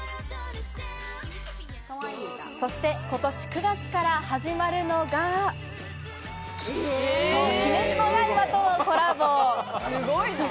そして今年９月から始まるのが、そう、『鬼滅の刃』とのコラボ。